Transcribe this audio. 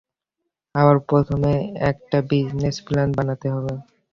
আমার প্রথমে একটা বিজনেস প্লান বানাতে হবে।